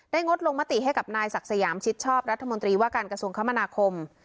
งดลงมติให้กับนายศักดิ์สยามชิดชอบรัฐมนตรีว่าการกระทรวงคมนาคม